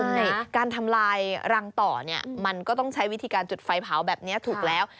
ใช่การทำลายรังต่อเนี่ยมันก็ต้องใช้วิธีการจุดไฟเผาแบบนี้ถูกแล้ว